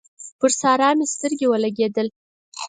پر سارا مې سترګې ولګېدل